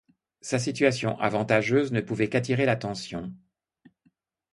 Sa situation avantageuse ne pouvait qu'attirer l'attention.